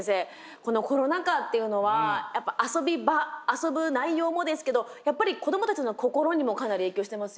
このコロナ禍っていうのはやっぱり遊び場遊ぶ内容もですけどやっぱり子どもたちの心にもかなり影響してますよね。